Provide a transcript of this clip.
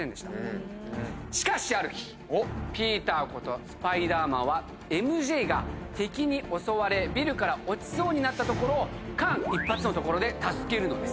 しかしある日ピーターことスパイダーマンはＭＪが敵に襲われビルから落ちそうになったところを間一髪のところで助けるのです。